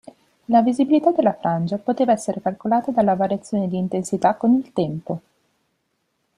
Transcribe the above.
La visibilità della frangia poteva essere calcolata dalla variazione di intensità con il tempo.